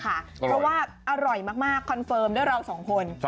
เพราะว่าอร่อยมากคอนเฟิร์มด้วยเราสองคน